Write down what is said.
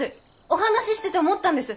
お話ししてて思ったんです！